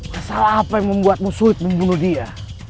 masalah apa yang membuatmu sulit membunuh dia